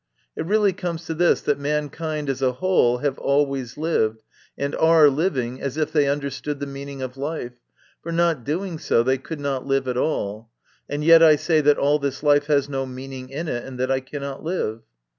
It really comes to this, that mankind as a whole have always lived, and are living, as if they understood the meaning of life, for not doing so they could not live at all, and yet I say that all this life has no meaning in it, and that I cannot live."